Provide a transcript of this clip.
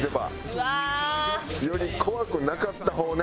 うわー！より怖くなかった方ね。